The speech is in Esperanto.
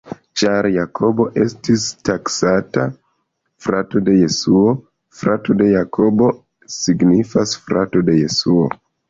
Ĉar Jakobo estis taksata frato de Jesuo, frato de Jakobo signifas frato de Jesuo.